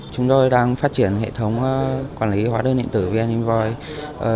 chúng tôi đang phát triển hệ thống quản lý hóa đơn điện tử vn invoice